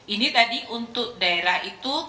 ini tadi untuk daerah itu